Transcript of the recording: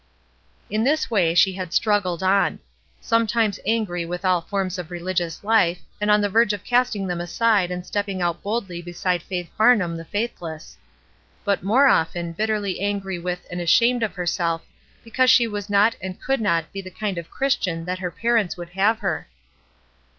In this way she had struggled on ; sometimes angry with all forms of religious Ufe, and on the verge of casting them aside and stepping out WORDS 137 boldly beside Faith Farnham the faithless ; but more often bitterly angry with and ashamed of herself because she was not and could not be the kind of Christian that her parents would have her.